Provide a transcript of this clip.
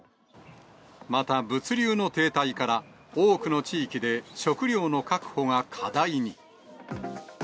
また、物流の停滞から多くの地域で食料の確保が課題に。